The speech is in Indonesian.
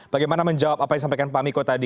bagaimana menjawab apa yang disampaikan pak miko tadi